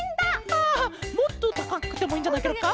あもっとたかくてもいいんじゃないケロか？